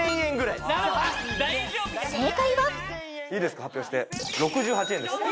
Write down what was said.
いいですか？